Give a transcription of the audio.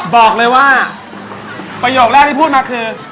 บอกเลยว่าประโยคแรกที่พูดมาคือ